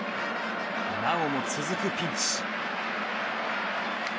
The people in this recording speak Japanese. なおも続くピンチ。